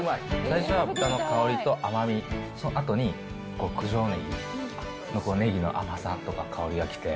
最初は豚の香りと甘み、そのあとに九条ネギのこのネギの甘さとか香りがきて。